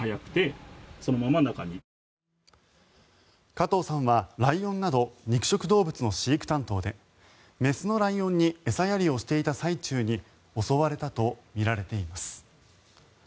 加藤さんはライオンなど肉食動物の飼育担当で雌のライオンに餌やりをしていた最中に襲われたとみられています。